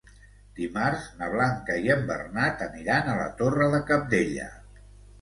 Dimarts na Blanca i en Bernat aniran a la Torre de Cabdella.